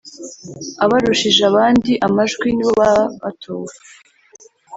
Abarushije abandi amajwi nibo baba batowe